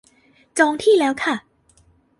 จองที่แล้วค่ะ